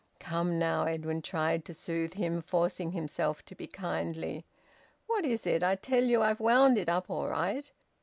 "Come now!" Edwin tried to soothe him, forcing himself to be kindly. "What is it? I tell you I've wound it up all right.